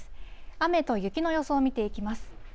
雨と雪の予想を見ていきます。